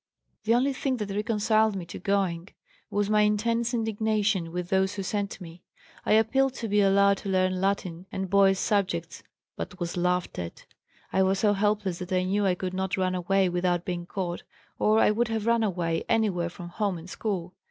The only thing that reconciled me to going was my intense indignation with those who sent me. I appealed to be allowed to learn Latin and boys' subjects, but was laughed at. "I was so helpless that I knew I could not run away without being caught, or I would have run away anywhere from home and school.